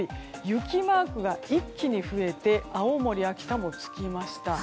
雪マークが一気に増えて青森、秋田も付きました。